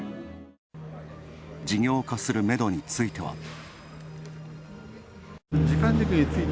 事業化するめどについては。